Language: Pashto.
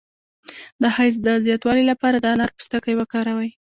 د حیض د زیاتوالي لپاره د انار پوستکی وکاروئ